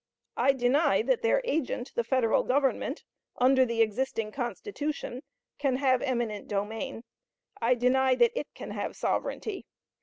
I deny that their agent, the Federal Government, under the existing Constitution, can have eminent domain; I deny that it can have sovereignty.